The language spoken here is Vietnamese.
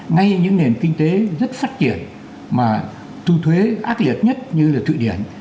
ngay những nền kinh tế rất phát triển mà thu thuế ác liệt nhất như là thụy điển